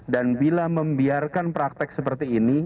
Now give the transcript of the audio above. dan bila membiarkan praktek seperti ini